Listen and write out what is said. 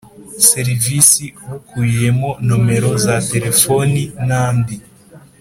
Serivisi bukubiyemo nomero za telefoni n andi